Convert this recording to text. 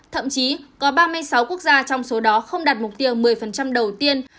thậm chí có ba mươi sáu quốc gia trong số đó không đạt mục tiêu một mươi đầu tiên